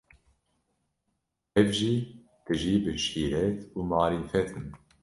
tev jî tijî bi şîret û marîfet in.